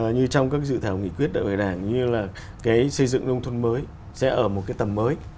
như trong các dự thảo nghỉ quyết đại bài đảng như là cái xây dựng nông thuận mới sẽ ở một cái tầm mới